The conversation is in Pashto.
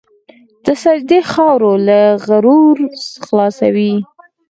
د سجدې خاورې له غرور خلاصوي.